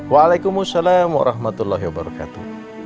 waalaikumsalam warahmatullahi wabarakatuh